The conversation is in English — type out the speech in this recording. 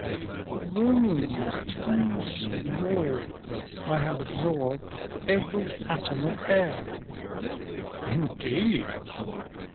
"The room was too small; I had absorbed every atom of air." "Indeed?"